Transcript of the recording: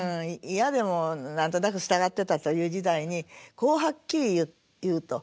嫌でも何となく従ってたという時代にこうはっきり言うと。